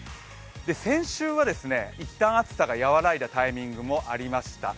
先週はいったん暑さが和らいだタイミングもありました。